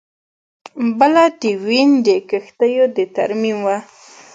بله د وین د کښتیو د ترمیم وه